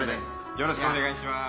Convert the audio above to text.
よろしくお願いします。